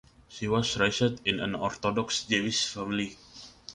She was raised in an Orthodox Jewish family.